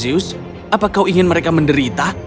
sius apa kau ingin mereka menderita